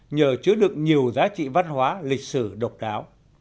nhờ chứa được nhiều giá trị văn hóa lịch sử độc đáo